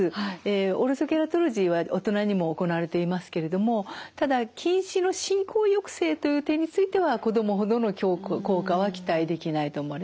オルソケラトロジーは大人にも行われていますけれどもただ近視の進行抑制という点については子どもほどの効果は期待できないと思われます。